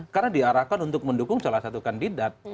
karena diarahkan untuk mendukung salah satu kandidat